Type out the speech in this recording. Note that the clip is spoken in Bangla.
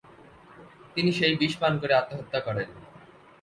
তিনি সেই বিষ পান করে আত্মহত্যা করেন।